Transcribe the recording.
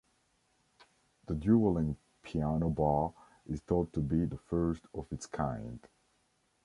The dueling piano bar is thought to be the first of its kind.